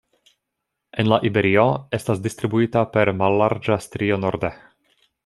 En la Iberio estas distribuita per mallarĝa strio norde.